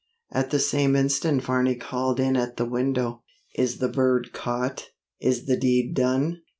At the same instant Varney called in at the window, 'Is the bird caught? Is the deed done?'